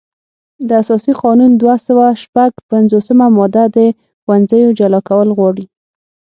د اساسي قانون دوه سوه شپږ پنځوسمه ماده د ښوونځیو جلا کول غواړي.